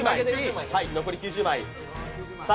残り９０枚。